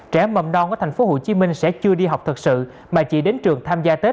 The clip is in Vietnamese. trẻ mầm non ở tp hcm sẽ chưa đi học thật sự mà chỉ đến trường tham gia tết